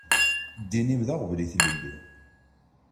Ddin-im d aɣbel i tlelli.